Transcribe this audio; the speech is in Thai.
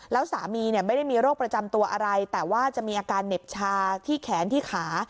แล้วสามีไม่ได้มีโรคประจำตัวอะไรแต่ว่าจะมีอาการเหน็บชาที่แขนที่ขา